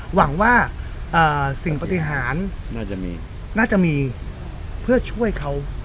หวังว่าสิ่งปฏิหารน่าจะมีน่าจะมีเพื่อช่วยเขา